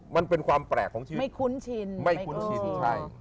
มันเป็นความแปลกของชีวิตไม่คุ้นชินไม่คุ้นชินใช่